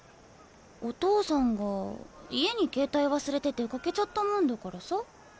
お父さんが家に携帯忘れて出かけちゃったもんだからサ。